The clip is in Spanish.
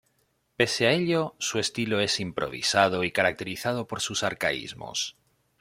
Pese a ello, su estilo es improvisado y caracterizado por sus arcaísmos.